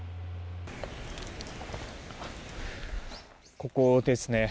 ここですね。